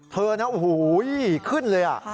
เธอนะโอ้โหขึ้นเลย